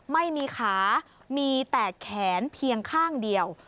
ไม่มีขามีแต่แขนเพียงข้างเดียว